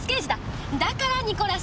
だから「ニコラス」なんだ。